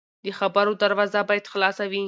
د خبرو دروازه باید خلاصه وي